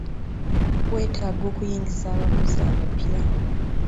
Wetaaga okuyingiza abakozi abapya.